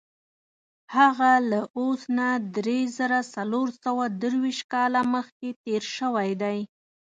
هغه له اوس نه دری زره څلور سوه درویشت کاله مخکې تېر شوی دی.